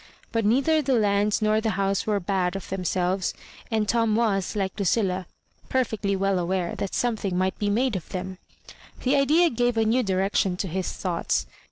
But neither the lands nor the house were bad of themselves, and Tom was, like Lucilla, perfectly well aware that something might be made of them: The idea gave a jiew direction to his thoughts.